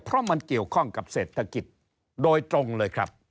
เพราะมันเกี่ยวข้องกับเศรษฐกิจโดยตรงเลยครับ